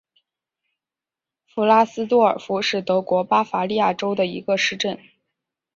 弗拉斯多尔夫是德国巴伐利亚州的一个市镇。